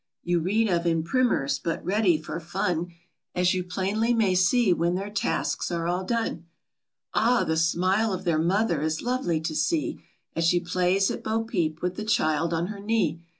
55 You read of in primers, but ready for fun, As you plainly may see, when their tasks are all done. Ah ! the smile of their Mother is lovely to see, As she plays at bo peep with the child on her knee.